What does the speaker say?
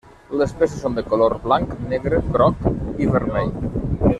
Les peces són de color: blanc, negre, groc i vermell.